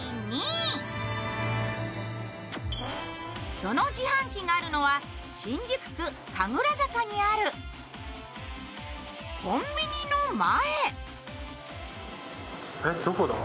その自販機があるのは、新宿区神楽坂にあるコンビニの前。